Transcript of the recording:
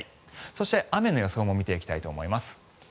そして、雨の予想も見ていきたいと思います。